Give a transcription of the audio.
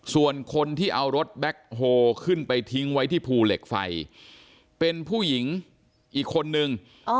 ส่วนคนที่เอารถแบ็คโฮลขึ้นไปทิ้งไว้ที่ภูเหล็กไฟเป็นผู้หญิงอีกคนนึง